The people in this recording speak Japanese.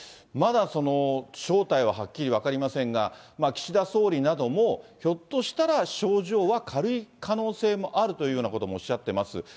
まだ正体ははっきり分かりませんが、岸田総理などもひょっとしたら症状は軽い可能性もあるというようなこともおっしゃっています。